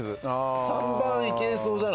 ３番いけそうじゃない？